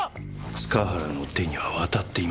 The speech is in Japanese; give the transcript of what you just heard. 塚原の手には渡っていません。